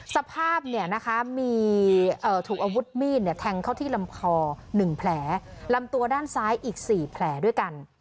สภาพมีถูกอาวุธมีดแทงเข้าที่ลำคอ๑แผลลำตัวด้านซ้ายอีก๔แผลด้วยกัน